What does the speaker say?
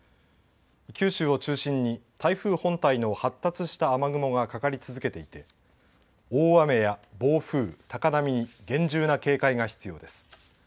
九州を中心に台風本体の発達した雨雲がかかり続けていて大雨や暴風、高波に厳重な警戒が必要です。